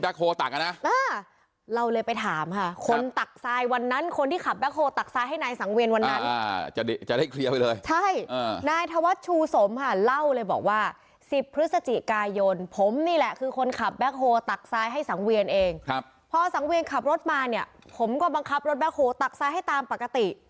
เราเลยไปถามค่ะคนตักทรายวันนั้นคนที่ขับแลตักซ้ายให้นายสังเวียนวันนั้นจะได้เคลียร์ไปเลยใช่นายธวัชชูสมค่ะเล่าเลยบอกว่าสิบพฤศจิกายนผมนี่แหละคือคนขับแบ็คโฮตักซ้ายให้สังเวียนเองครับพอสังเวียนขับรถมาเนี่ยผมก็บังคับรถแคคโฮตักซ้ายให้ตามปกติ